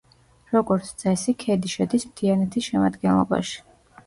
როგორც წესი, ქედი შედის მთიანეთის შემადგენლობაში.